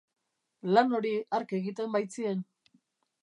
Lan hori hark egiten baitzien.